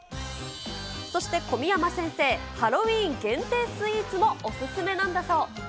そして小宮山先生、ハロウィーン限定スイーツもお勧めなんだそう。